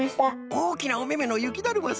おおきなおめめのゆきだるまさんか。